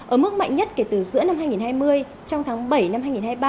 ở mức mạnh nhất kể từ giữa năm hai nghìn hai mươi trong tháng bảy năm hai nghìn hai mươi ba